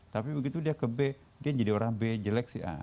tapi begitu dia ke b dia jadi orang b jelek si a